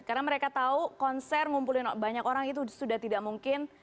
karena mereka tahu konser ngumpulin banyak orang itu sudah tidak mungkin